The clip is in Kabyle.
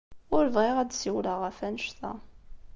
Ur bɣiɣ ad d-ssiwleɣ ɣef wanect-a.